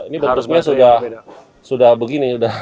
ini bentuknya sudah begini